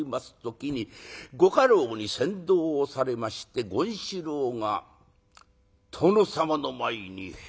時にご家老に先導をされまして権四郎が殿様の前にへえっと平伏をする。